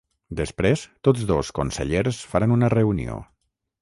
Després, tots dos consellers faran una reunió.